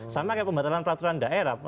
sama kayak pembatalan peraturan daerah